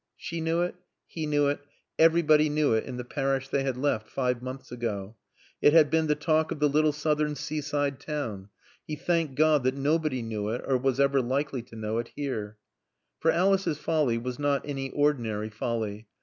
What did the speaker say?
She knew it; he knew it; everybody knew it in the parish they had left five months ago. It had been the talk of the little southern seaside town. He thanked God that nobody knew it, or was ever likely to know it, here. For Alice's folly was not any ordinary folly.